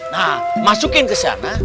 nah masukin kesana